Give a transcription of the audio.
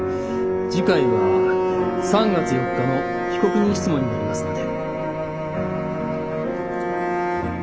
次回は３月４日の被告人質問になりますので。